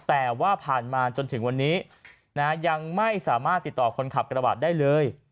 แต่ว่าผ่านมาจนถึงวันนี้ยังไม่สามารถติดต่อคนขับกระบาดได้เลย